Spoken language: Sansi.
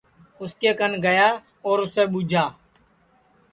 اُس کے کن گیا اور اُسے ٻوجھا